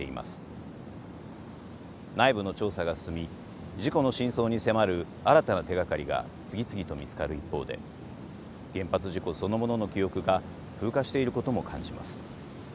内部の調査が進み事故の真相に迫る新たな手がかりが次々と見つかる一方で原発事故そのものの記憶が風化していることも感じます。